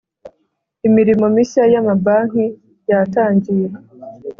imirimo mishya y amabanki yatangiye